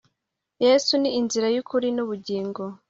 yesu ni inzira yukuri n ubugingo